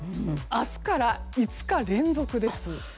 明日から５日連続です。